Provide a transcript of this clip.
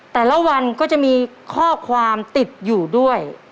แต่ละวันก็จะมีข้อความติดอยู่ด้วย